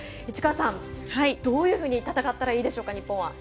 市川さん、どういうふうに戦ったらいいでしょうか。